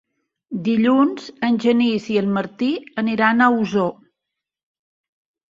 Dilluns en Genís i en Martí aniran a Osor.